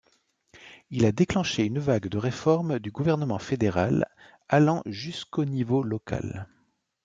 Il a déclenché une vague de réformes du gouvernement fédéral allant jusqu'au niveau local.